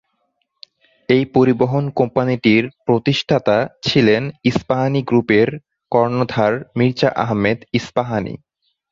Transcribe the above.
এই পরিবহন কোম্পানিটির প্রতিষ্ঠাতা ছিলেন ইস্পাহানি গ্রুপের কর্ণধার মির্জা আহমেদ ইস্পাহানি।